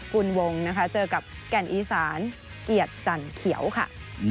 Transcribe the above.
คุณวงนะคะเจอกับแก่นอีสานเกียรติจันเขียวค่ะ